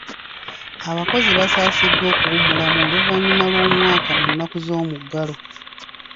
Abakozi baasabiddwa okuwummulamu oluvannyuma lw'omwaka mu nnaku z'omuggalo.